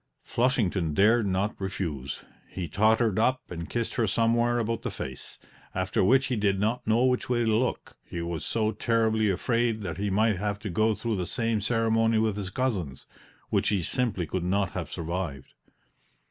Flushington dared not refuse; he tottered up and kissed her somewhere about the face, after which he did not know which way to look, he was so terribly afraid that he might have to go through the same ceremony with his cousins, which he simply could not have survived.